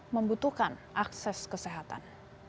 membutuhkan akses kesehatan